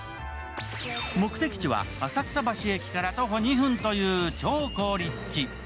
目的地は浅草橋駅から徒歩２分という超好立地。